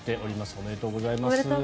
おめでとうございます。